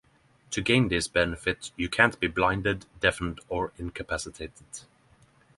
To gain this benefit, you can’t be blinded, deafened, or incapacitated.